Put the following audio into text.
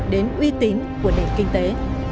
đến uy tín của nền kinh tế